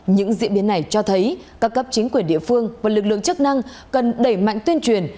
những diễn biến này cho thấy các cấp chính quyền địa phương và lực lượng chức năng cần đẩy mạnh tuyên truyền